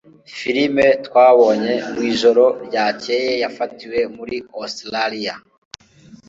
Filime twabonye mwijoro ryakeye yafatiwe muri Ositaraliya